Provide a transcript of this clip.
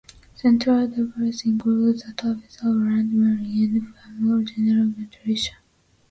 Central debates include the topics of arranged marriage and female genital mutilation.